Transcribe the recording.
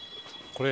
これ。